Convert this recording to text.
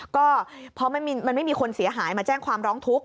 ก็เพราะมันไม่มีคนเสียหายมาแจ้งความร้องทุกข์